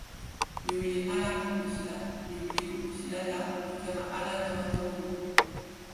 mi wile ala kokosila. mi wile kokosila la mi kama ala tawa tomo ni.